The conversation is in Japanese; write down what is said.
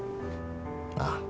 ああ。